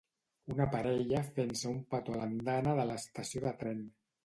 Una parella fent-se un petó a l'andana de l'estació de tren.